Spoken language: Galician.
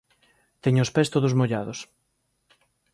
Teño os pés todos mollados